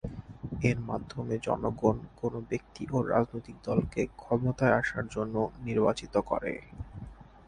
এর মাধ্যমে জনগণ কোনো ব্যক্তি ও রাজনৈতিক দলকে ক্ষমতায় আসার জন্য নির্বাচিত করে।